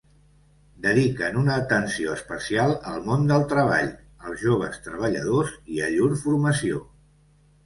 Dediquen una atenció especial al món del treball, als joves treballadors i a llur formació.